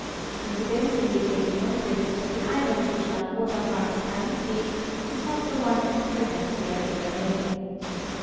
Incidentally it may be noted that the island which la Cosa marks Haiti is not the one at present bearing the name.